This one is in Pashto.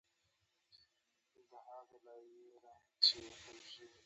سړک د موټرونو کور ګڼل کېږي.